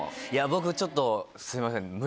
僕ちょっとすいません。